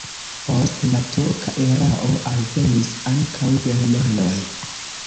Post la turka erao alvenis ankaŭ germanoj.